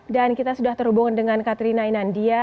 kita sudah terhubung dengan katrina inandia